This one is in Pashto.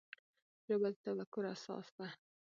ژبه د تفکر اساس ده.